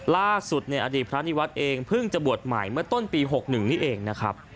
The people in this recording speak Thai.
ล่าสุดเนี่ยอดีตพระนิวัฒน์เองเพิ่งจะบวชใหม่เมื่อต้นปี๖๑นี่เองนะครับ